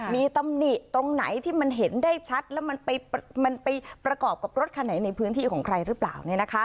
มีตำหนิตรงไหนที่มันเห็นได้ชัดแล้วมันไปประกอบกับรถคันไหนในพื้นที่ของใครหรือเปล่า